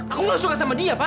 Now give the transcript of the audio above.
aku gak suka sama dia pak